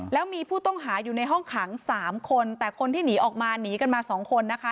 แล้วมีผู้ต้องหาอยู่ในห้องขังสามคนแต่คนที่หนีออกมาหนีกันมาสองคนนะคะ